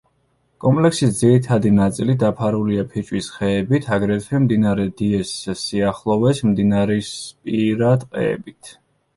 კომპლექსის ძირითადი ნაწილი დაფარულია ფიჭვის ხეებით, აგრეთვე მდინარე დიეს სიახლოვეს მდინარისპირა ტყეებით.